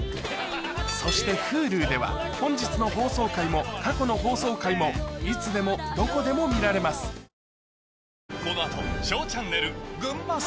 そしてＨｕｌｕでは本日の放送回も過去の放送回もいつでもどこでも見られますお！